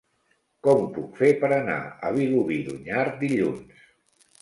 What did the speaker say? Com ho puc fer per anar a Vilobí d'Onyar dilluns?